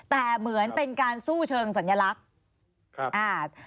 แต่เหมือนเป็นการสู้เชิงสัญลักษณ์